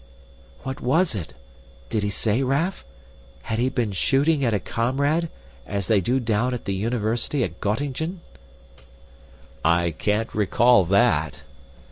"What was it? Did he say, Raff? Had he been shooting at a comrade, as they do down at the University at Gottingen?" "I can't recall that.